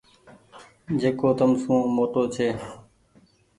جيڪو تم سون موٽو ڇي ۔